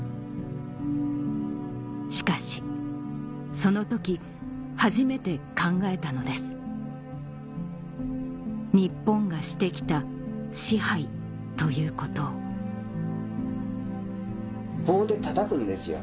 しかしその時初めて考えたのです日本がして来た「支配」ということを棒でたたくんですよ